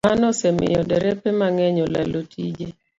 Mano osemiyo derepe mang'eny olalo tije